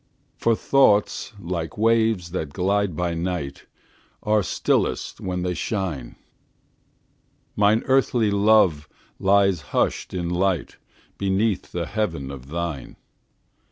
For thoughts, like waves that glide by night, Are stillest when they shine; Mine earthly love lies hush'd in lightBeneath the heaven of thine.